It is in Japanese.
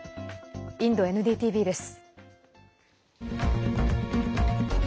インドＮＤＴＶです。